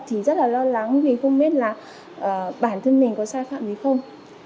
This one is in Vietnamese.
thì rất là lo lắng vì không biết là bản thân mình có sai phạm gì không